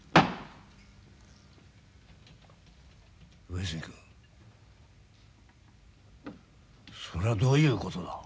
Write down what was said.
上杉君それはどういうことだ？